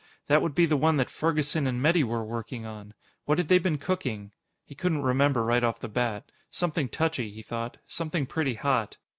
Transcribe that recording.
That would be the one that Ferguson and Metty were working on. What had they been cooking? He couldn't remember right off the bat. Something touchy, he thought; something pretty hot.